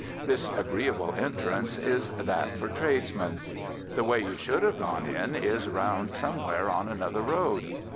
This agreeable entrance is that for tradesmen. The way you should have gone in is round somewhere on another road.